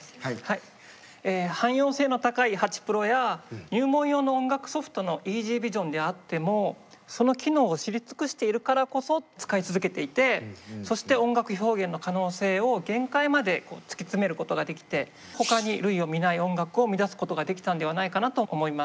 汎用性の高いハチプロや入門用の音楽ソフトのＥＺＶｉｓｉｏｎであってもその機能を知り尽くしているからこそ使い続けていてそして音楽表現の可能性を限界までこう突き詰めることができてほかに類を見ない音楽を生み出すことができたんではないかなと思います。